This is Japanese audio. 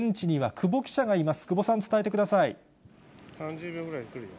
久保さん、伝えてください。